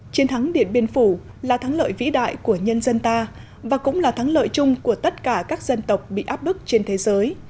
chiến thắng điện biên phủ là thắng lợi vĩ đại của nhân dân ta và cũng là thắng lợi chung của tất cả các dân tộc bị áp bức trên thế giới